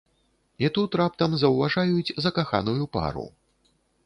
І тут раптам заўважаюць закаханую пару.